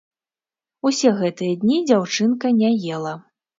Усе гэтыя дні дзяўчынка не ела.